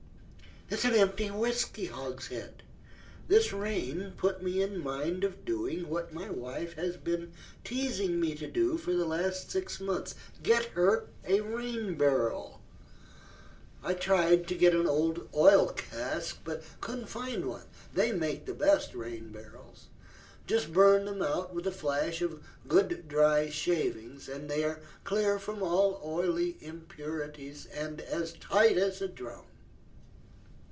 "An empty whisky hogshead. This rain put me in mind of doing what my wife has been teasing me to do for the last six months get her a rain barrel. I tried to get an old oil cask, but couldn't find one. They make the best rain barrels. Just burn them out with a flash of good dry shavings, and they are clear from all oily impurities, and tight as a drum."